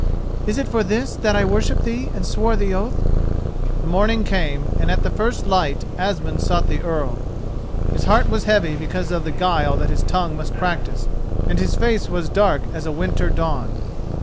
Is it for this that I worshipped thee and swore the oath?" The morning came, and at the first light Asmund sought the Earl. His heart was heavy because of the guile that his tongue must practise, and his face was dark as a winter dawn.